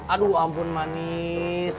aduh ampun manis